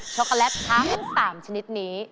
็อกโกแลตทั้ง๓ชนิดนี้